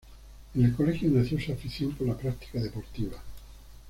En el colegio nació su afición por la práctica deportiva.